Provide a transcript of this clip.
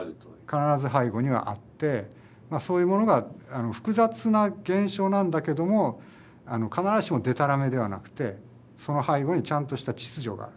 必ず背後にはあってまあそういうものが複雑な現象なんだけども必ずしもデタラメではなくてその背後にちゃんとした秩序がある。